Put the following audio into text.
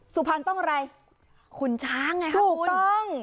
สุพรรณต้องอะไรขุนช้างไงคะถูกต้อง